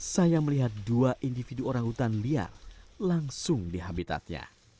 saya melihat dua individu orangutan liar langsung di habitatnya